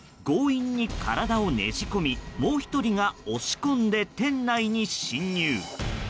強引に体をねじ込みもう１人が押し込んで店内に侵入。